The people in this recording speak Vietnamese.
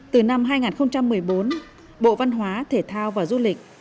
từ năm hai nghìn một mươi bốn bộ văn hóa thể thao và du lịch